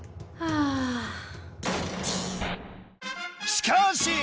しかし！